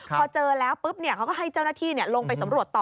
พอเจอแล้วปุ๊บเขาก็ให้เจ้าหน้าที่ลงไปสำรวจต่อ